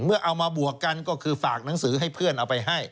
เอามาบวกกันก็คือฝากหนังสือให้เพื่อนเอาไปให้